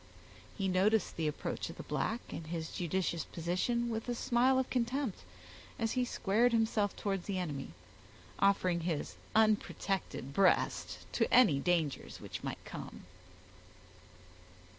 He noticed the approach of the black, and his judicious position, with a smile of contempt, as he squared himself towards the enemy, offering his unprotected breast to any dangers which might come.